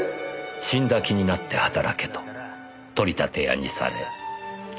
死んだ気になって働けと取り立て屋にされ。